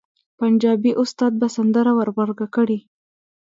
پنجابي استاد به سندره ور غبرګه کړي.